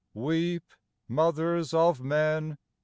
Weep, mothers of men